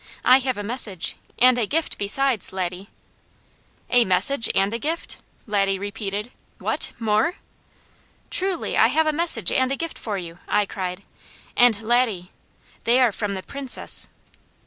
I have a message, and a gift besides, Laddie!" "A message and a gift?" Laddie repeated. "What! More?" "Truly I have a message and a gift for you," I cried, "and Laddie they are from the Princess!"